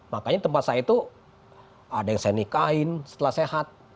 makanya tempat saya itu ada yang saya nikahin setelah sehat